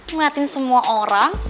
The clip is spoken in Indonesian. ngeliatin semua orang